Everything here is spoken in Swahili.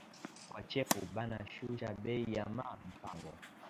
Kwa chefu bana shusha bei ya ma mpango